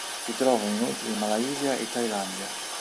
Si trovano inoltre in Malaysia e Thailandia.